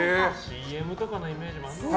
ＣＭとかのイメージもあるのかな。